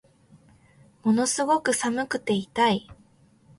ものすごく寒くて痛い